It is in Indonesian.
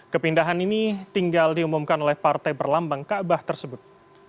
kepindahan ini tinggal diumumkan oleh partai berlambang kaabah tersebut